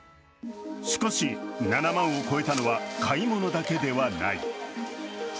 しかし、７万を超えたのは買い物だけではない。